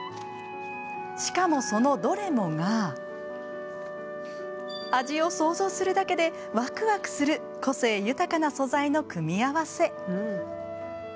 しかもそのどれもが味を想像するだけでわくわくする個性豊かな素材の組み合わせ。